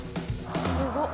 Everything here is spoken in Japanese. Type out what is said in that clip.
「すごっ！」